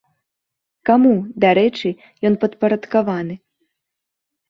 Каму, дарэчы, ён падпарадкаваны?